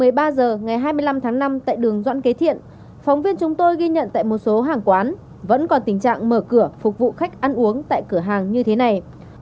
một mươi ba h ngày hai mươi năm tháng năm tại đường doãn kế thiện phóng viên chúng tôi ghi nhận tại một số hàng quán vẫn còn tình trạng mở cửa phục vụ khách ăn uống tại cửa hàng như thế này